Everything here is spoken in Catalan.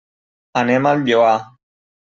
Anem al Lloar.